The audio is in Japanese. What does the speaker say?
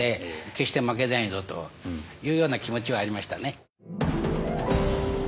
決して負けないぞというような気持ちはありましたね。